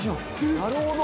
なるほど！